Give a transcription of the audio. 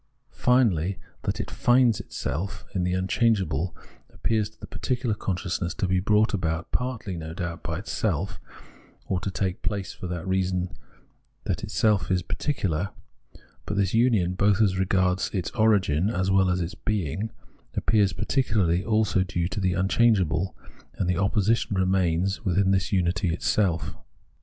Finally that it finds itself in the unchangeable appears to the particular consciousness to be brought about partly, no doubt, by itself, or to take place for the reason that itsel is particular ; but this union, both as regards its origin as well as in its being, appears partly also due to the unchangeable ; and the opposition remains within this unity itself.